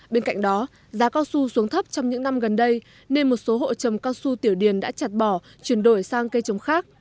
bên cạnh đó giá cao su xuống thấp trong những năm gần đây nên một số hộ trồng cao su tiểu điền đã chặt bỏ chuyển đổi sang cây trồng khác